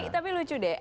tapi lucu deh